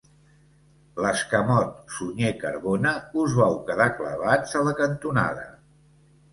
L'escamot Sunyer Carbona us vau quedar clavats a la cantonada.